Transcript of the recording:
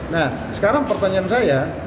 nah sekarang pertanyaan saya